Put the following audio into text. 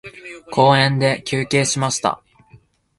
公園で休憩しました。